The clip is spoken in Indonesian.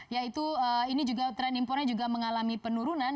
yaitu ini juga tren impornya juga mengalami penurunan